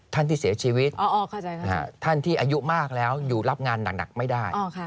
ท่านที่เสียชีวิตท่านที่อายุมากแล้วอยู่รับงานหนักไม่ได้